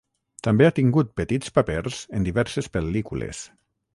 També ha tingut petits papers en diverses pel·lícules.